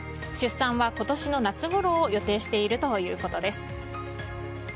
出産は今年の夏ごろを予定しているということです。